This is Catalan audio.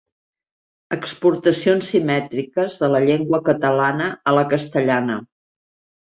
Exportacions simètriques de la llengua catalana a la castellana.